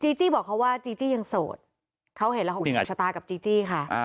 จีจี้บอกเขาว่าจีจี้ยังโสดเขาเห็นแล้วเขาอุตชะตากับจีจี้ค่ะ